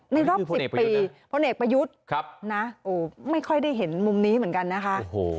รอบ๑๐ปีพลเอกประยุทธ์ไม่ค่อยได้เห็นมุมนี้เหมือนกันนะคะ